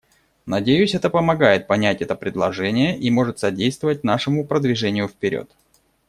Надеюсь, это помогает понять это предложение и может содействовать нашему продвижению вперед.